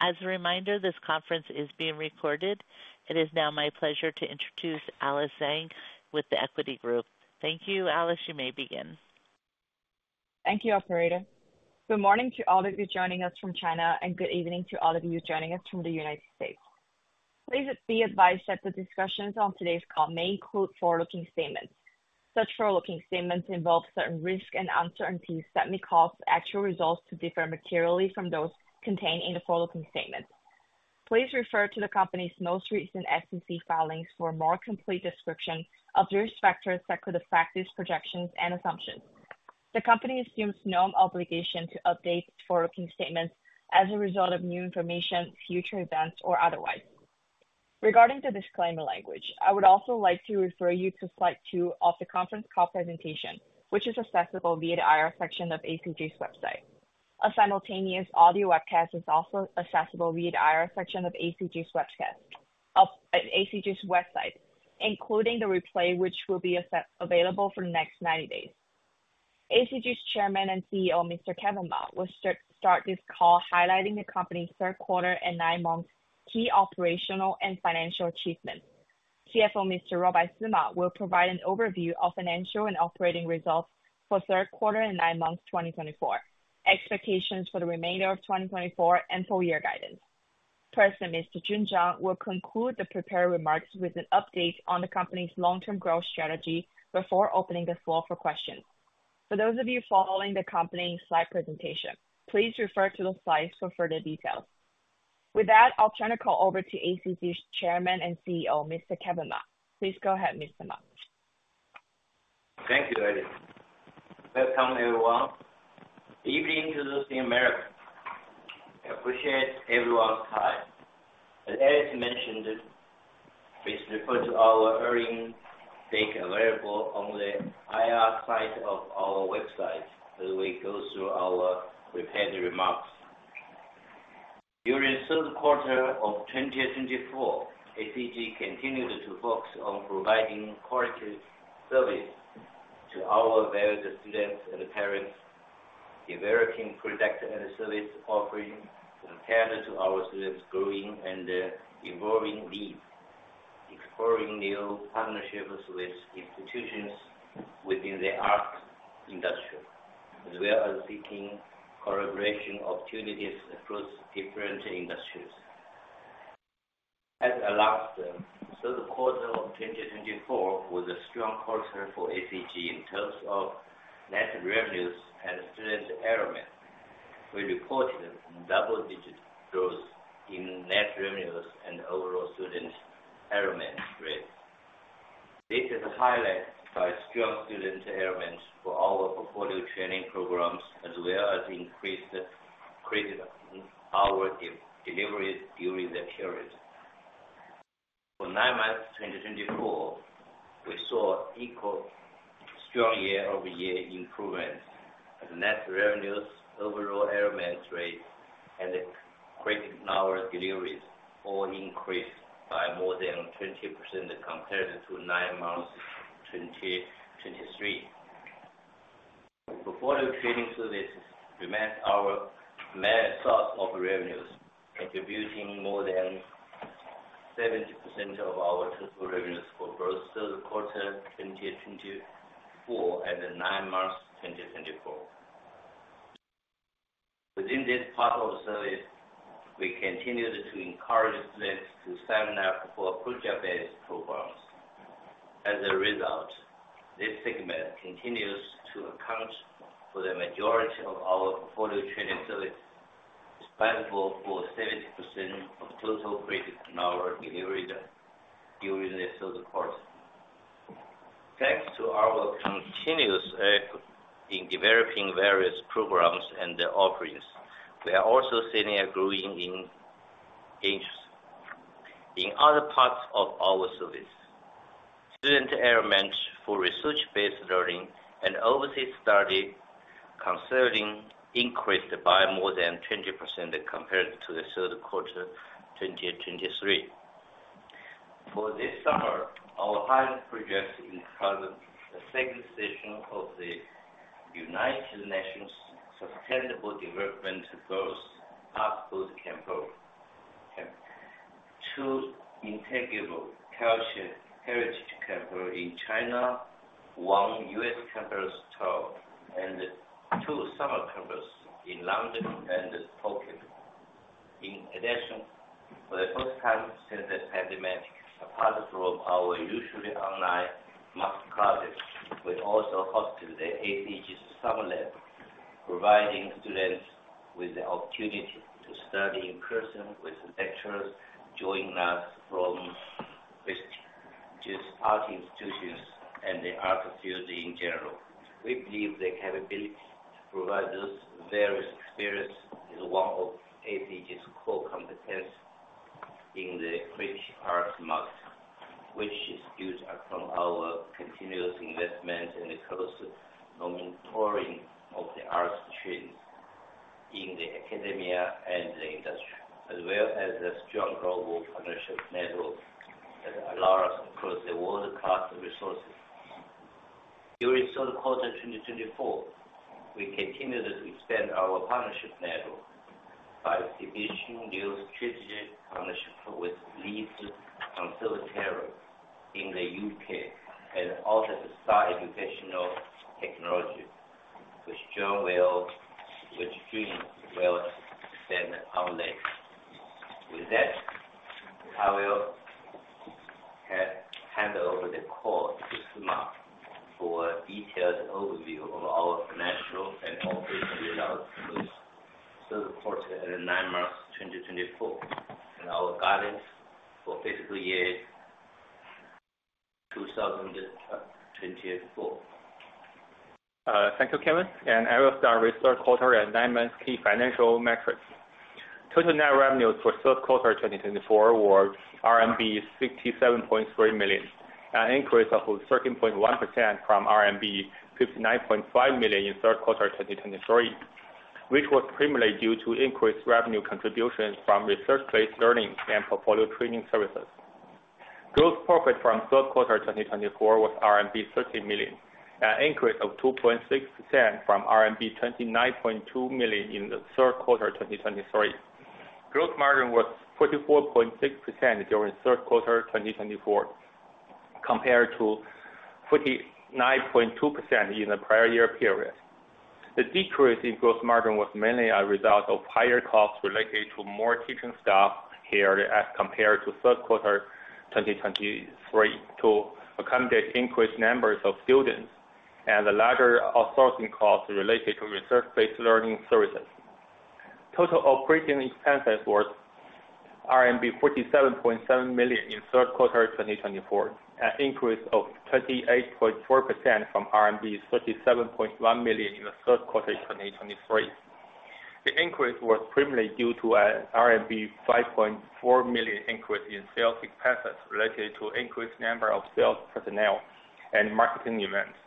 As a reminder, this conference is being recorded. It is now my pleasure to introduce Alice Zhang with The Equity Group. Thank you, Alice. You may begin. Thank you, Operator. Good morning to all of you joining us from China, and good evening to all of you joining us from the United States. Please be advised that the discussions on today's call may include forward-looking statements. Such forward-looking statements involve certain risks and uncertainties that may cause actual results to differ materially from those contained in the forward-looking statement. Please refer to the company's most recent SEC filings for a more complete description of the risk factors that could affect these projections and assumptions. The company assumes no obligation to update forward-looking statements as a result of new information, future events, or otherwise. Regarding the disclaimer language, I would also like to refer you to slide two of the conference call presentation, which is accessible via the IR section of ACG's website. A simultaneous audio webcast is also accessible via the IR section of ACG's website, including the replay, which will be available for the next 90 days. ACG's Chairman and CEO, Mr. Kevin Ma, will start this call highlighting the company's third quarter and nine-month key operational and financial achievements. CFO, Mr. Ruobai Sima, will provide an overview of financial and operating results for third quarter and nine months 2024, expectations for the remainder of 2024, and full-year guidance. President, Mr. Jun Zhang, will conclude the prepared remarks with an update on the company's long-term growth strategy before opening the floor for questions. For those of you following the company's slide presentation, please refer to the slides for further details. With that, I'll turn the call over to ACG's Chairman and CEO, Mr. Kevin Ma. Please go ahead, Mr. Ma. Thank you, ladies. Welcome, everyone. Good evening to those in America. I appreciate everyone's time. As Alice mentioned, please refer to our earnings data available on the IR side of our website as we go through our prepared remarks. During the third quarter of 2024, ACG continued to focus on providing quality service to our valued students and parents, developing products and service offerings that tend to our students' growing and evolving needs, exploring new partnerships with institutions within the arts industry, as well as seeking collaboration opportunities across different industries. All in all, the third quarter of 2024 was a strong quarter for ACG in terms of net revenues and student enrollments. We reported double-digit growth in net revenues and overall student enrollment rates. This is highlighted by strong student enrollments for our portfolio training programs, as well as increased credit hour deliveries during that period. For nine months 2024, we saw equally strong year-over-year improvements as net revenues, overall enrollment rates, and credit hour deliveries all increased by more than 20% compared to nine months 2023. Portfolio training services remained our main source of revenues, contributing more than 70% of our total revenues for both third quarter 2024 and nine months 2024. Within this part of the service, we continued to encourage students to sign up for project-based programs. As a result, this segment continues to account for the majority of our portfolio training services, responsible for 70% of total credit hour deliveries during the third quarter. Thanks to our continuous efforts in developing various programs and offerings, we are also seeing a growing engagement in other parts of our service. Student enrollments for research-based learning and overseas study counseling increased by more than 20% compared to the third quarter 2023. For this summer, our highest project is the second session of the United Nations Sustainable Development Goals Arts Bootcamp. Two intangible cultural heritage campaigns in China, one U.S. campaign still, and two summer campaigns in London and Tokyo. In addition, for the first time since the pandemic, apart from our usually online masterclasses, we also hosted the ACG Summer Lab, providing students with the opportunity to study in person with lecturers joining us from prestigious art institutions and the art field in general. We believe the capability to provide those various experiences is one of ACG's core competencies in the creative arts market, which is built upon our continuous investment and close monitoring of the arts trends in the academia and the industry, as well as a strong global partnership network that allows us to access the world-class resources. During the third quarter 2024, we continued to expand our partnership network by establishing new strategic partnerships with leaders from several areas in the U.K. and with Oasis Star Educational Technology, which dovetails well to expand our network. With that, I will hand over the call to Mr. Sima for a detailed overview of our financial and operational results for the third quarter and nine months 2024, and our guidance for fiscal year 2024. Thank you, Kevin. I will start with the third quarter and nine months key financial metrics. Total net revenues for the third quarter 2024 were RMB 67.3 million, an increase of 13.1% from RMB 59.5 million in the third quarter 2023, which was primarily due to increased revenue contributions from research-based learning and portfolio training services. Gross profit from the third quarter 2024 was RMB 13 million, an increase of 2.6% from RMB 29.2 million in the third quarter 2023. Gross margin was 44.6% during the third quarter 2024, compared to 49.2% in the prior year period. The decrease in gross margin was mainly a result of higher costs related to more teaching staff hired as compared to the third quarter 2023, to accommodate increased numbers of students and the larger outsourcing costs related to research-based learning services. Total operating expenses were RMB 47.7 million in the third quarter 2024, an increase of 28.4% from RMB 37.1 million in the third quarter 2023. The increase was primarily due to an RMB 5.4 million increase in sales expenses related to an increased number of sales personnel and marketing events,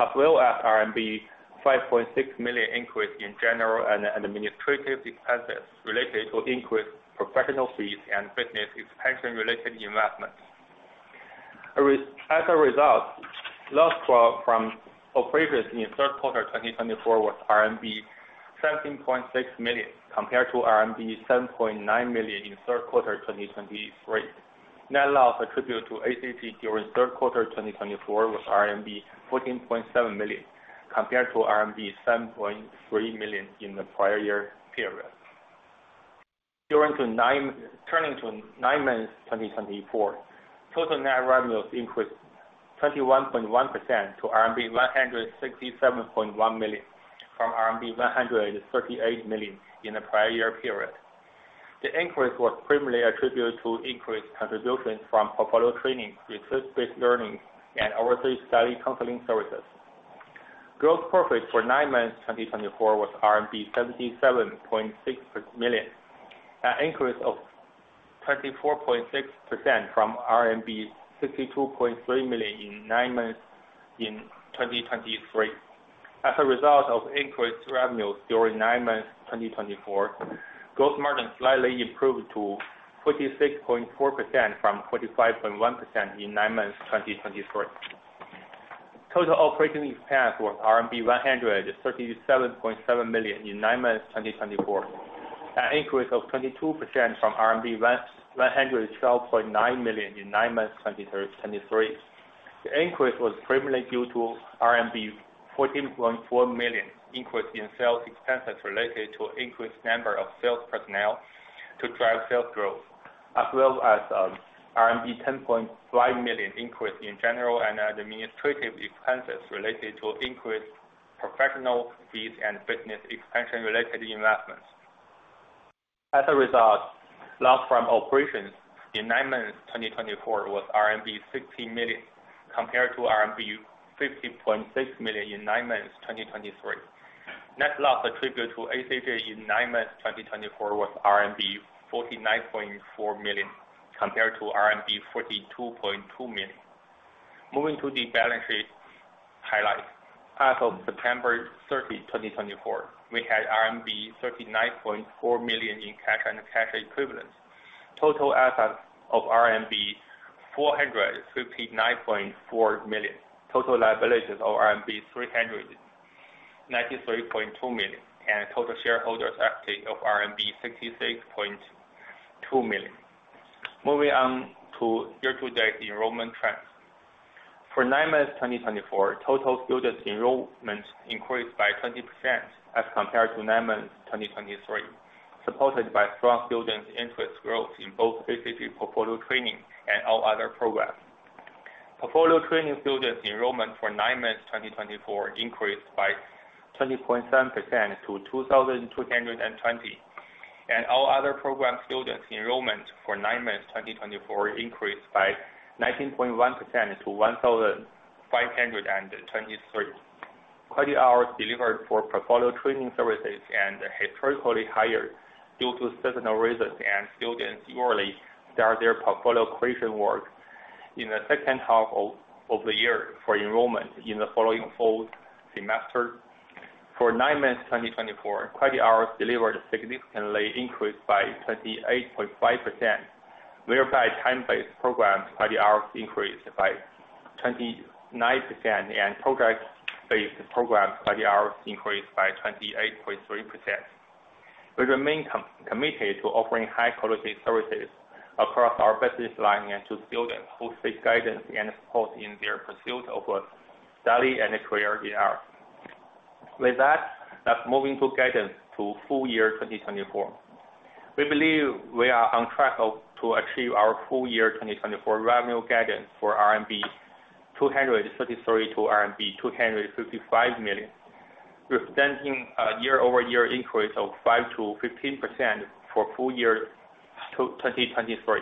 as well as RMB 5.6 million increase in general and administrative expenses related to increased professional fees and business expansion-related investments. As a result, loss from operations in the third quarter 2024 was RMB 17.6 million compared to RMB 7.9 million in the third quarter 2023. Net loss attributed to ACG during the third quarter 2024 was RMB 14.7 million compared to RMB 7.3 million in the prior year period. Turning to nine months 2024, total net revenues increased 21.1% to RMB 167.1 million from RMB 138 million in the prior year period. The increase was primarily attributed to increased contributions from portfolio training, research-based learning, and overseas study counseling services. Gross profit for nine months 2024 was RMB 77.6 million, an increase of 24.6% from RMB 62.3 million in nine months 2023. As a result of increased revenues during nine months 2024, gross margin slightly improved to 46.4% from 45.1% in nine months 2023. Total operating expense was RMB 137.7 million in nine months 2024, an increase of 22% from RMB 112.9 million in nine months 2023. The increase was primarily due to RMB 14.4 million increase in sales expenses related to an increased number of sales personnel to drive sales growth, as well as RMB 10.5 million increase in general and administrative expenses related to increased professional fees and business expansion-related investments. As a result, loss from operations in nine months 2024 was RMB 16 million compared to RMB 50.6 million in nine months 2023. Net loss attributed to ACG in nine months 2024 was RMB 49.4 million compared to RMB 42.2 million. Moving to the balance sheet highlights. As of September 30, 2024, we had RMB 39.4 million in cash and cash equivalents, total assets of RMB 459.4 million, total liabilities of RMB 393.2 million, and total shareholders' equity of RMB 66.2 million. Moving on to year-to-date enrollment trends. For nine months 2024, total students' enrollment increased by 20% as compared to nine months 2023, supported by strong students' interest growth in both ACG portfolio training and all other programs. Portfolio training students' enrollment for nine months 2024 increased by 20.7% to 2,220, and all other program students' enrollment for nine months 2024 increased by 19.1% to 1,523. Credit hours delivered for portfolio training services were historically higher due to seasonal reasons and students yearly start their portfolio creation work in the second half of the year for enrollment in the following fall semester. For nine months 2024, credit hours delivered significantly increased by 28.5%, whereby time-based program credit hours increased by 29% and project-based program credit hours increased by 28.3%. We remain committed to offering high-quality services across our business line to students who seek guidance and support in their pursuit of a study and career in arts. With that, let's move into guidance for full year 2024. We believe we are on track to achieve our full year 2024 revenue guidance for 233-255 million RMB, representing a year-over-year increase of 5%-15% over full year 2023.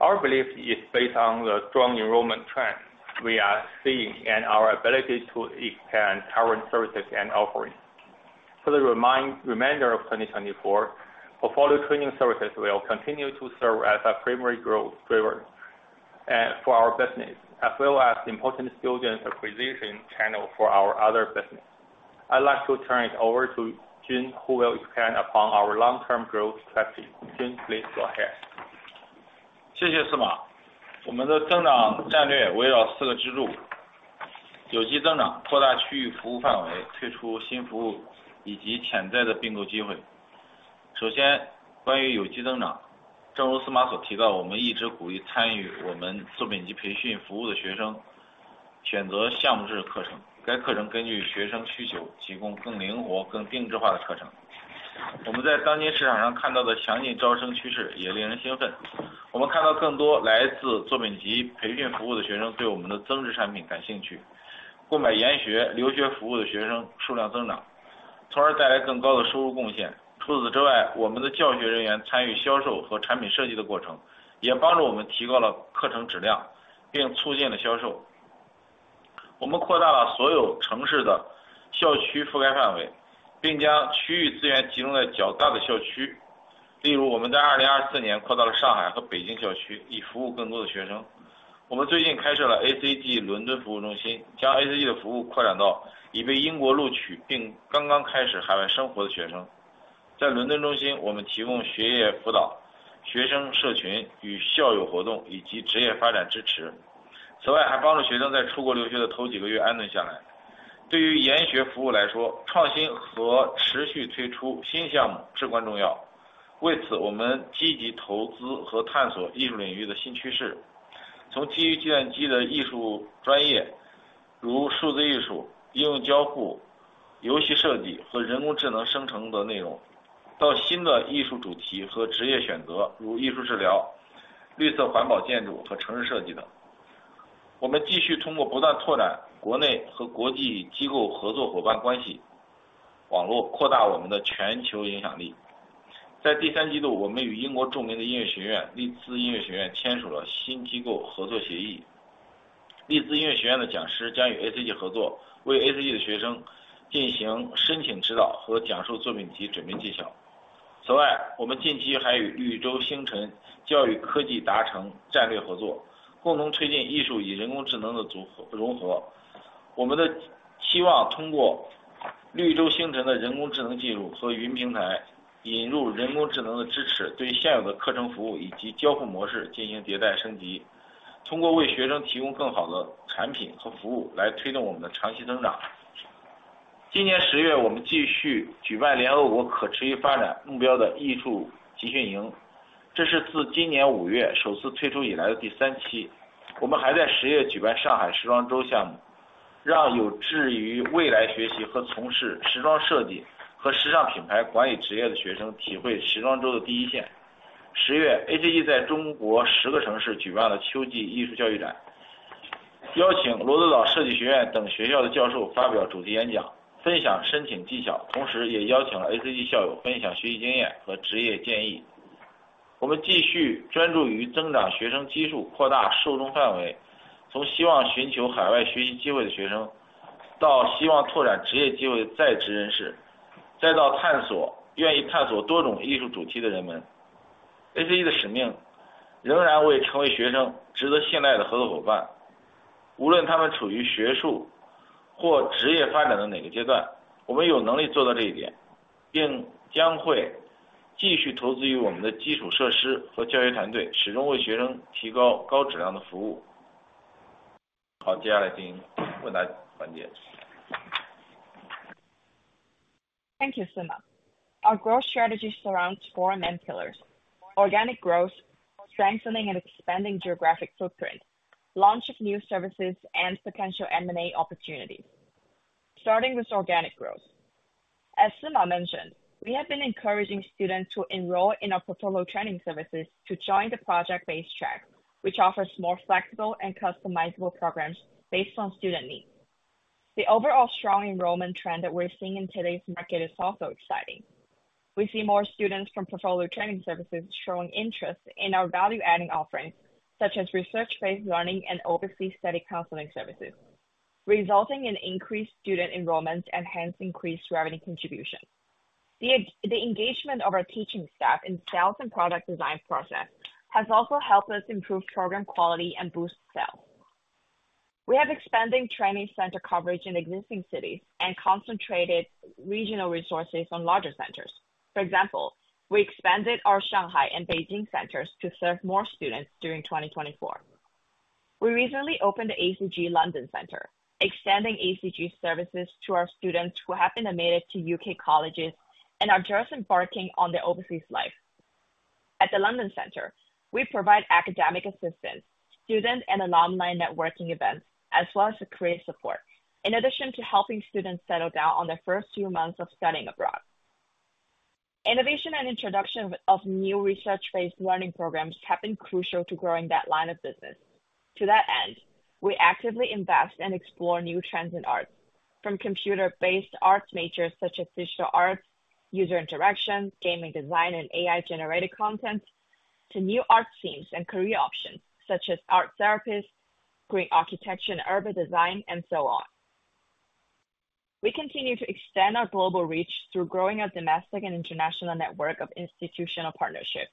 Our belief is based on the strong enrollment trend we are seeing and our ability to expand current services and offerings. For the remainder of 2024, portfolio training services will continue to serve as a primary growth driver for our business, as well as important students' acquisition channel for our other business. I'd like to turn it over to Jun, who will expand upon our long-term growth strategy. Jun, please go ahead. Thank you, Sima. Our growth strategy surrounds four main pillars: organic growth, strengthening and expanding geographic footprint, launch of new services, and potential M&A opportunities. Starting with organic growth. As Sima mentioned, we have been encouraging students to enroll in our portfolio training services to join the project-based track, which offers more flexible and customizable programs based on student needs. The overall strong enrollment trend that we're seeing in today's market is also exciting. We see more students from portfolio training services showing interest in our value-adding offerings, such as research-based learning and overseas study counseling services, resulting in increased student enrollment and hence increased revenue contribution. The engagement of our teaching staff in the sales and product design process has also helped us improve program quality and boost sales. We have expanded training center coverage in existing cities and concentrated regional resources on larger centers. For example, we expanded our Shanghai and Beijing centers to serve more students during 2024. We recently opened the ACG London Center, extending ACG services to our students who have been admitted to UK colleges and are just embarking on their overseas life. At the London Center, we provide academic assistance, student and alumni networking events, as well as career support, in addition to helping students settle down on their first few months of studying abroad. Innovation and introduction of new research-based learning programs have been crucial to growing that line of business. To that end, we actively invest and explore new trends in arts, from computer-based arts majors such as digital arts, user interaction, gaming design, and AI-generated content, to new arts themes and career options such as art therapists, green architecture, and urban design, and so on. We continue to extend our global reach through growing our domestic and international network of institutional partnerships.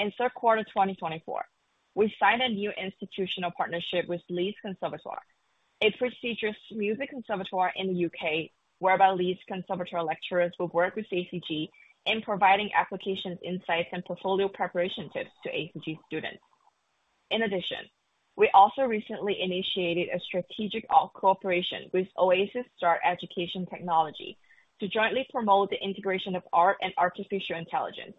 In third quarter 2024, we signed a new institutional partnership with Leeds Conservatoire, a prestigious music conservatory in the U.K., whereby Leeds Conservatoire lecturers will work with ACG in providing application insights and portfolio preparation tips to ACG students. In addition, we also recently initiated a strategic cooperation with Oasis Star Educational Technology to jointly promote the integration of art and artificial intelligence.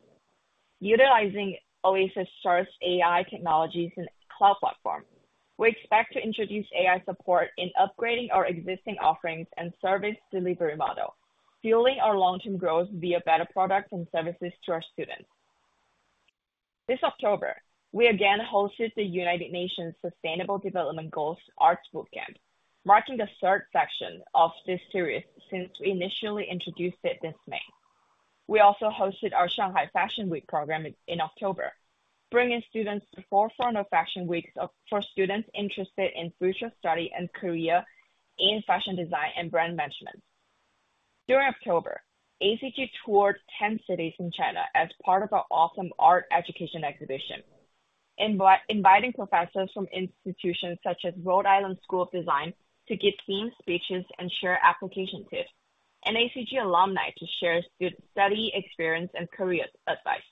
Utilizing Oasis Star's AI technologies and cloud platform, we expect to introduce AI support in upgrading our existing offerings and service delivery model, fueling our long-term growth via better products and services to our students. This October, we again hosted the United Nations Sustainable Development Goals Arts Bootcamp, marking the third section of this series since we initially introduced it this May. We also hosted our Shanghai Fashion Week Program in October, bringing students to the forefront of fashion weeks for students interested in future study and career in fashion design and brand management. During October, ACG toured 10 cities in China as part of Autumn Art Education Exhibition, inviting professors from institutions such as Rhode Island School of Design to give key speeches and share application tips, and ACG alumni to share student study experience and career advice.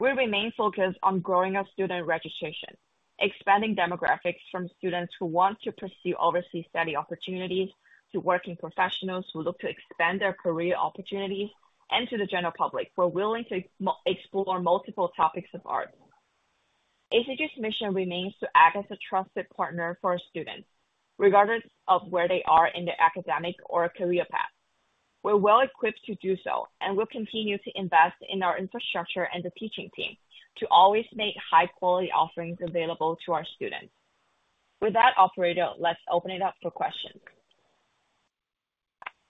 We remain focused on growing our student registration, expanding demographics from students who want to pursue overseas study opportunities to working professionals who look to expand their career opportunities and to the general public who are willing to explore multiple topics of art. ACG's mission remains to act as a trusted partner for our students, regardless of where they are in their academic or career path. We're well equipped to do so, and we'll continue to invest in our infrastructure and the teaching team to always make high-quality offerings available to our students. With that, Operator, let's open it up for questions.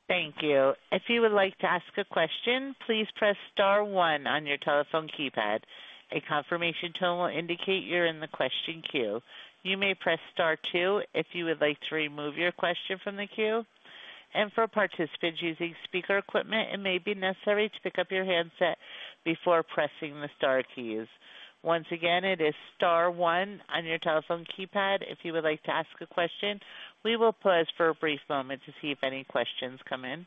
Thank you. If you would like to ask a question, please press star one on your telephone keypad. A confirmation tone will indicate you're in the question queue. You may press star two if you would like to remove your question from the queue. And for participants using speaker equipment, it may be necessary to pick up your handset before pressing the star keys. Once again, it is star one on your telephone keypad. If you would like to ask a question, we will pause for a brief moment to see if any questions come in.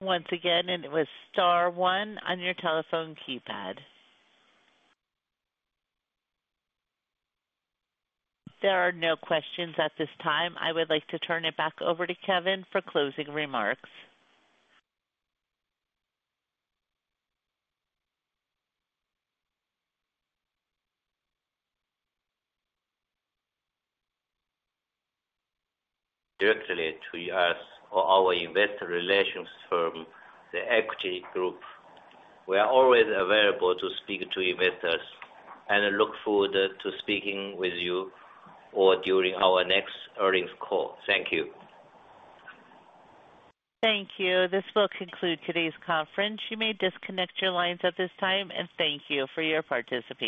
Once again, it was star one on your telephone keypad. There are no questions at this time. I would like to turn it back over to Kevin for closing remarks. Directly to us or our investor relations firm, The Equity Group. We are always available to speak to investors and look forward to speaking with you or during our next earnings call. Thank you. Thank you. This will conclude today's conference. You may disconnect your lines at this time, and thank you for your participation.